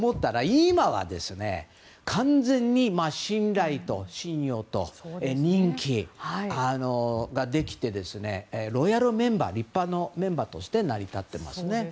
今は、完全に信頼と信用と人気ができて立派なロイヤルメンバーとして成り立ってますね。